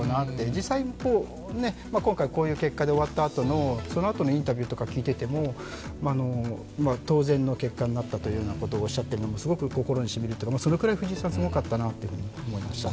実際、今回こういう結果で終わったあとのインタビューを聞いていても当然の結果になったということをおっしゃっていたんですが、すごく心に染みるというか、そのくらい藤井さん、すごかったなと思いましたね。